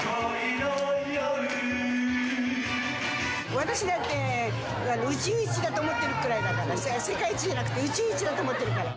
私だって宇宙一だと思ってるくらいだから、世界一じゃなくて宇宙一だと思っているから。